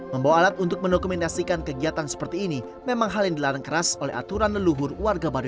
membawa alat untuk mendokumentasikan kegiatan seperti ini memang hal yang dilarang keras oleh aturan leluhur warga baduy